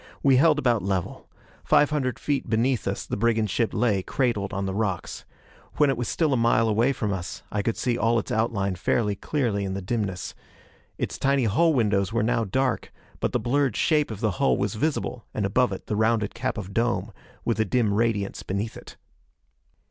We held about level. Five hundred feet beneath us the brigand ship lay, cradled on the rocks. When it was still a mile away from us I could see all its outline fairly clearly in the dimness. Its tiny hull windows were now dark; but the blurred shape of the hull was visible and above it the rounded cap of dome, with a dim radiance beneath it.